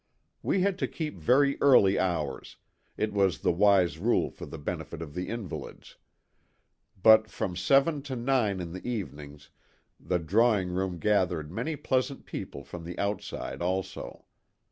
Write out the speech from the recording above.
We had to keep very early hours it was the wise rule for the benefit of the invalids; but from seven to nine in the evenings the drawing room gathered many pleasant people from the outside also.